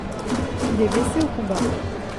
Il est blessé au combat.